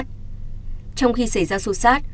trong khi xảy ra xô xát